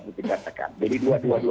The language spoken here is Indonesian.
jadi abis bisa mc bentar udah langsung